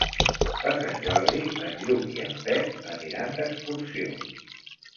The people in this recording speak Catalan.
Per Sant Jordi en Lluc i en Pep aniran d'excursió.